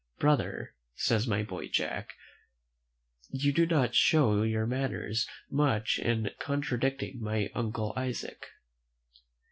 "Brother," says my boy Jack, "you do not show your manners much in contradicting my uncle Isaac!"